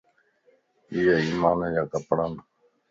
ايي ايمان جا ڪپڙان